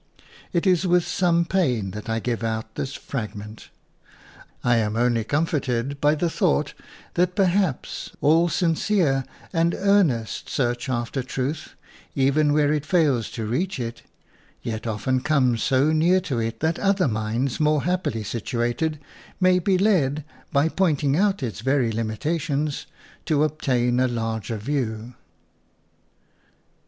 "It is with some pain that I give out this fragment. I am only comforted by the thought that perhaps all sincere and earnest search after truth, even where it fails to reach it, yet often comes so near to it that other minds more happily situated may be led, by pointing out its very limitations, to ob tain a larger view."